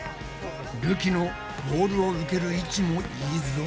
るきのボールを受ける位置もいいぞ。